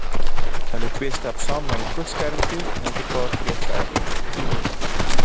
Hulle twee stap saam na die kookskerm toe, net ’n paar treë verder.